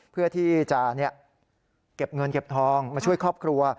เพื่อที่จะเก็บเงินเก็บทองมาช่วยครอบครัว